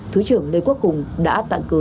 thứ trưởng lê quốc hùng đã tặng cờ